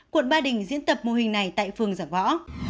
quận ba đình diễn tập mô hình này tại phường giả võ